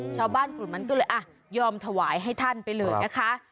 ชาวบ้านกลุ่มนั้นก็เลยอ่ะยอมถวายให้ท่านไปเลยนะคะ